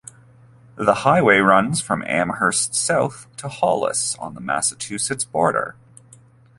The highway runs from Amherst south to Hollis on the Massachusetts border.